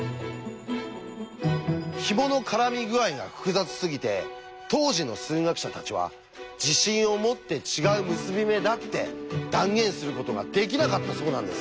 ひもの絡み具合が複雑すぎて当時の数学者たちは自信を持って違う結び目だって断言することができなかったそうなんです。